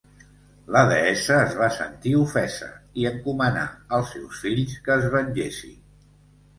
La deessa es va sentir ofesa i encomanà als seus fills que es vengessin.